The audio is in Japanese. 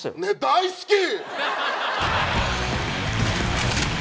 大好き